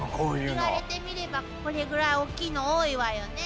言われてみればこれぐらい大きいの多いわよね。